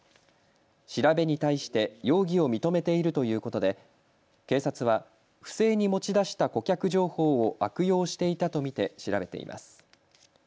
調べに対して容疑を認めているということで警察は不正に持ち出した顧客情報を悪用していたと見て調べています。